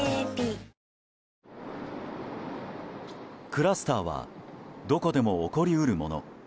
クラスターはどこでも起こり得るもの。